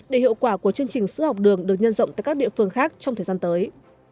để hiệu quả của chương trình sữa học đường được nhân rộng tại các địa phương khác trong thời gian tới